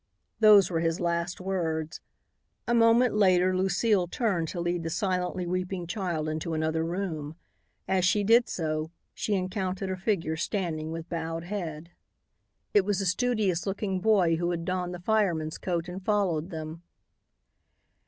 Those were his last words. A moment later, Lucile turned to lead the silently weeping child into another room. As she did so, she encountered a figure standing with bowed head. It was the studious looking boy who had donned the fireman's coat and followed them.